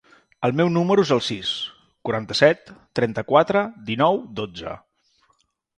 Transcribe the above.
El meu número es el sis, quaranta-set, trenta-quatre, dinou, dotze.